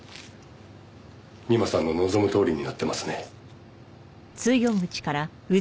美馬さんの望むとおりになってますね。